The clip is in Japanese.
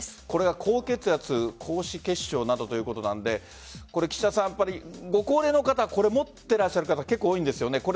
これは高血圧、高脂血症などということなのでご高齢の方これを持っていらっしゃる方多いんですよね。